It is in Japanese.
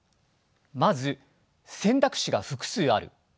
まず選択肢が複数ある。